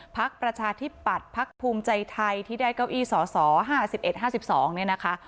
พักประชาธิปัตย์พักภูมิใจไทยที่ได้เก้าอี้สอสอห้าสิบเอ็ดห้าสิบสองเนี่ยนะคะ